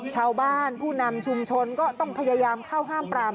ชาวบ้านผู้นำชุมชนก็ต้องพยายามเข้าห้ามปราม